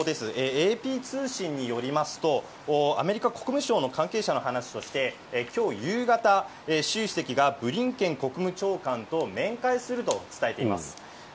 ＡＰ通信によりますと、アメリカ国務省の関係者の話として、きょう夕方、習主席がブリンケン国務長官と面会すると伝えています。